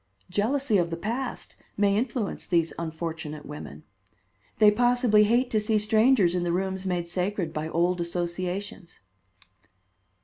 Jealousy of the past may influence these unfortunate women. They possibly hate to see strangers in the rooms made sacred by old associations."